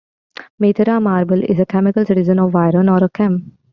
Maytera Marble is a chemical citizen of Viron, or a chem.